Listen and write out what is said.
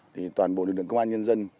thì toàn bộ lực lượng công an nhân dân